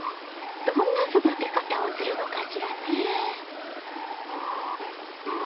どんな育て方をするのかしらね。